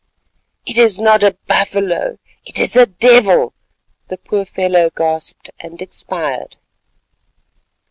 "It is not a buffalo, it is a devil," the poor fellow gasped, and expired.